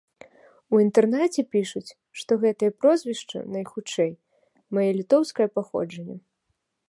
У інтэрнэце пішуць, што гэтае прозвішча, найхутчэй, мае літоўскае паходжанне.